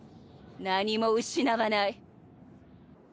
何も失わない。